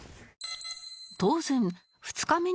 当然２日目に突入